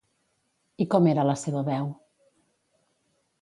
I com era la seva veu?